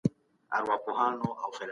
ما د هیواد د ابادۍ لپاره یو پلان جوړ کړی.